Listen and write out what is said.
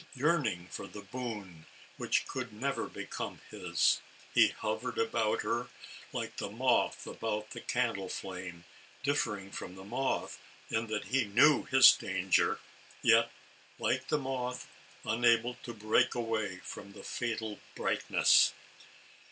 yearning for the boon which could never become his, he hovered about her, 'like the moth about the candle flame, differing from the moth, in that he knew his danger, yet, like the moth, unable to break away from the fatal brightness.